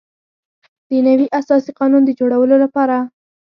د نوي اساسي قانون د جوړولو لپاره.